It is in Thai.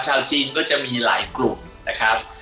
ชาวจีนก็จะมีหลายกลุ่มนะครับ